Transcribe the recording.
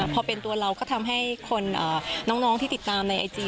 พอเป็นตัวเราก็ทำให้คนน้องที่ติดตามในไอจี